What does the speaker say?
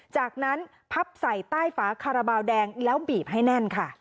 จากนั้นพับใส่ใต้ฝาคาราบาลแดงแล้วบีบให้แน่นค่ะ